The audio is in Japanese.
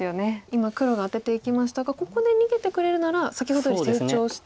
今黒がアテていきましたがここで逃げてくれるなら先ほどより成長してますか。